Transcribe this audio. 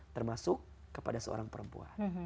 termasuk kepada seorang perempuan